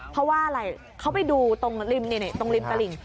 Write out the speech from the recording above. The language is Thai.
เพราะว่าอะไรเขาไปดูตรงริมตลิ่ง